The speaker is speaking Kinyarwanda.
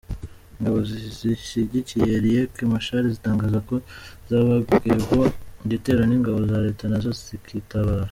Ingabo zishyigikiye Riek Machar zitangaza ko zagabweho igitero n’ingabo za Leta nazo zikitabara.